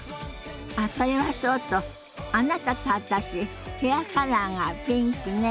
あっそれはそうとあなたと私ヘアカラーがピンクね。